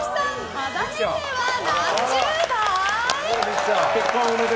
肌年齢は何十代？